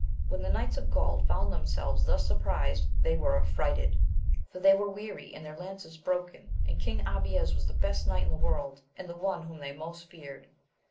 When the knights of Gaul found themselves thus surprised they were affrighted, for they were weary and their lances broken, and King Abies was the best knight in the world, and the one whom they most feared.